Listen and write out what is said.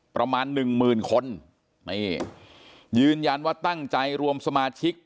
ประมาณหนึ่งหมื่นคนนี่ยืนยันว่าตั้งใจรวมสมาชิก